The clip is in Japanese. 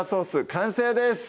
完成です